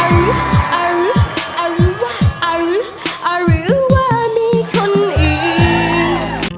อรุอรุอรุอรุอรุอรุว่ามีคนอื่น